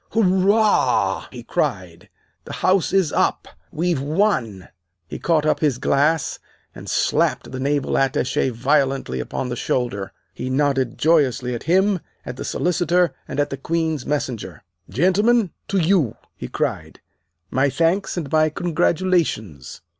"Hurrah!" he cried. "The House is up! We've won!" He caught up his glass, and slapped the Naval Attache violently upon the shoulder. He nodded joyously at him, at the Solicitor, and at the Queen's Messenger. "Gentlemen, to you!" he cried; "my thanks and my congratulations!"